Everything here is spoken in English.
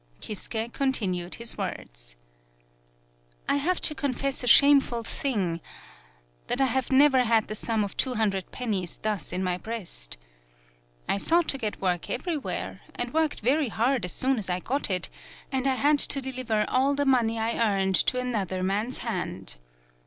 Kisuke continued his words : "I have 13 PAULOWNIA to confess a shameful thing, that I never have had the sum of two hundred pen nies thus in my breast. I sought to get work everywhere, and worked very hard as soon as I got it, and I had to deliver all the money I earned to another man's hand.